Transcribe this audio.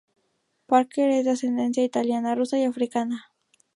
Parker es de ascendencia italiana, rusa y africana.